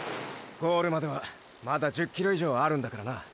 ゴールまではまだ１０ｋｍ以上あるんだからな。